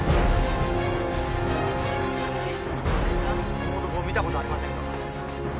この男見たことありませんか？